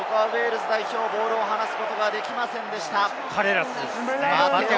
ウェールズ代表、ボールを放すことができませんでした。